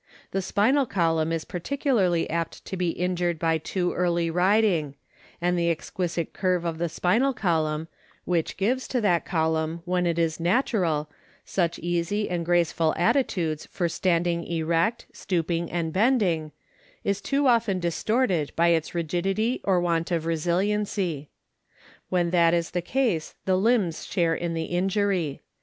The spinal column is particularly apt to be injured by too early riding, and the exquisite curve of the spinal column, which gives to that column when it is natural such easy and graceful attitudes for standing erect, stooping, and bending, is too often distorted by its rigidity or want of resiliency. When that is the case the limbs share in the injury.